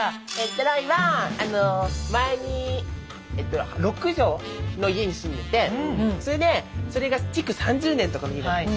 ロイは前に６畳の家に住んでてそれが築３０年とかの家だったの。